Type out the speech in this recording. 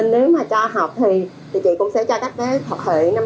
nên nếu mà cho học thì chị cũng sẽ cho các bé học hệ năm k